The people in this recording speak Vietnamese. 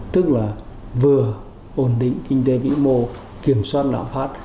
tức là vừa ổn định kinh tế vĩ mô kiểm soát đạo pháp